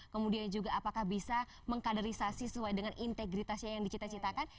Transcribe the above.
kemudian juga apakah bisa mengkaderisasi sesuai dengan integritasnya yang dicita citakan